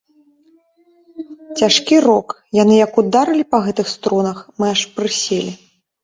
Цяжкі рок, яны як ударылі па гэтых струнах, мы аж прыселі.